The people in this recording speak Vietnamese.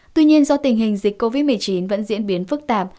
tuy nhiên do tình hình dịch covid một mươi chín vẫn diễn biến phức tạp